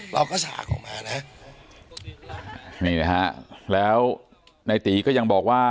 เราก็ฉากออกมานะนี่นะฮะแล้วในตีก็ยังบอกว่า